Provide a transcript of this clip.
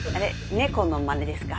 猫のマネですか？